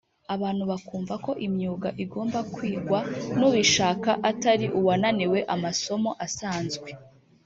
abantu bakumva ko imyuga igomba kwigwa n’ubishaka atari uwananiwe amasomo asanzwe